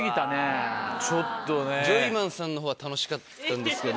ジョイマンさんのほうは楽しかったんですけど。